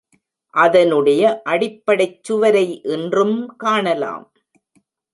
அதனுடைய அடிப்படைச் சுவரை இன்றும் காணலாம்.